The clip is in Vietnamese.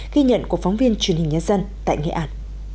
ghi nhận của phóng viên truyền hình nhân dân tại nghệ an